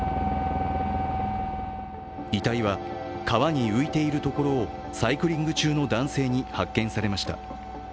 遺体は川に浮いているところをサイクリング中の男性に発見されました。